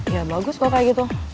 ya bagus kok kayak gitu